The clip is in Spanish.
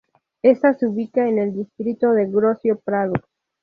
Esta se ubica en el distrito de Grocio Prado.